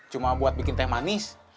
cuma buat bikin teh manis